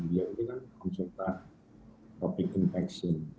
dia itu kan konsultasi tentang infeksi